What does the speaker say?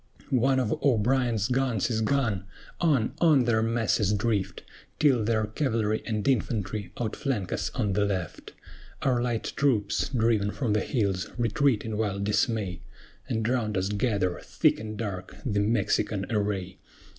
One of O'Brien's guns is gone! On, on their masses drift, Till their cavalry and infantry outflank us on the left; Our light troops, driven from the hills, retreat in wild dismay, And round us gather, thick and dark, the Mexican array.